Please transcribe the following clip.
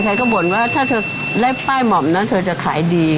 ใครก็บ่นว่าถ้าเธอได้ป้ายหม่อมนะเธอจะขายดี